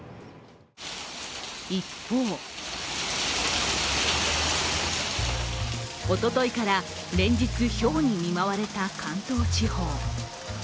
一方おとといから連日ひょうに見舞われた関東地方。